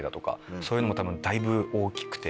そういうのもだいぶ大きくて。